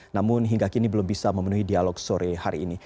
namun hingga kini belum bisa memenuhi dialog sore hari ini